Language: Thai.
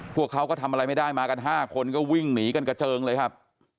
พวกเขาก็ทำอะไรไม่ได้มากัน๕คนก็วิ่งหนีกันกระเจิงเลยครับ